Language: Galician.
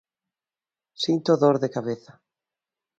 Sinto dor de cabeza.